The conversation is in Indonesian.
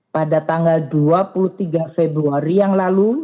pada tanggal dua puluh tiga februari yang lalu